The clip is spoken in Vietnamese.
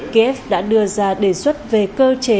kiev đã đưa ra đề xuất về cơ chế bằng văn bản của nga